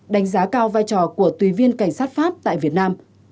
đánh giá cao vai trò của tùy viên cảnh sát pháp tại việt nam